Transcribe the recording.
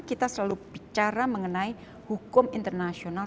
kita selalu bicara mengenai hukum internasional